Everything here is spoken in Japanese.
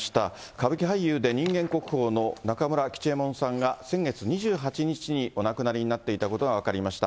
歌舞伎俳優で人間国宝の中村吉右衛門さんが、先月２８日にお亡くなりになっていたことが分かりました。